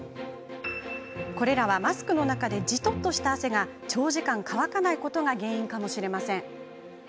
これらは、マスクの中でじとっとした汗が長時間乾かないことが原因かもしれません。